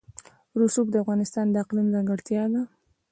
رسوب د افغانستان د اقلیم ځانګړتیا ده.